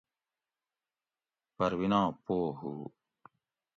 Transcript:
پرویناں پو ہُو